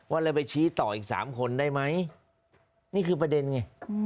เราไปชี้ต่ออีกสามคนได้ไหมนี่คือประเด็นไง